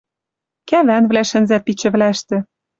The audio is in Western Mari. Кӓвӓнвлӓ шӹнзӓт пичӹвлӓштӹ.